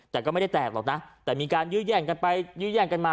แต่ก็ไม่ได้แตกหรอกนะแต่มีการยื้อแย่งกันไปยื้อแย่งกันมา